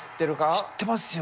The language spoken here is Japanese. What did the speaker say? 知ってますよ。